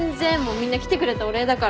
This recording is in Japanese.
みんな来てくれたお礼だから。